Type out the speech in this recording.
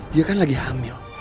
dia kan lagi hamil